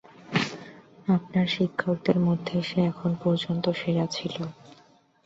আপনার শিক্ষকদের মধ্যে, সে এখন পর্যন্ত সেরা ছিল।